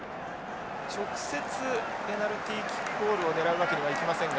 直接ペナルティキックでゴールを狙うわけにはいきませんが。